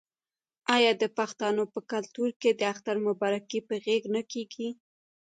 آیا د پښتنو په کلتور کې د اختر مبارکي په غیږ نه کیږي؟